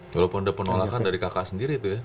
walaupun udah penolakan dari kakak sendiri itu ya